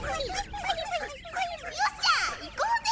よっしゃ行こうぜ。